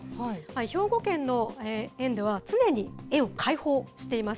兵庫県の園では、常に園を開放しています。